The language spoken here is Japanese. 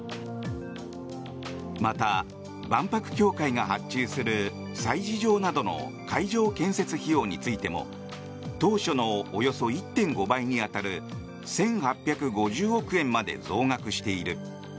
また、万博協会が発注する催事場などの会場建設費用についても当初のおよそ１．５倍に当たる１８５０億円まで増額している。